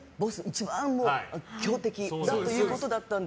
一番、強敵ということだったので。